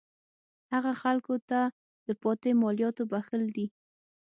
هغه خلکو ته د پاتې مالیاتو بخښل دي.